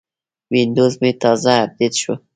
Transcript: وینډوز مې تازه اپډیټ شو.